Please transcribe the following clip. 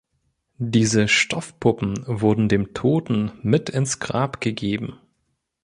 Diese Stoff-Puppen wurden dem Toten mit ins Grab gegeben.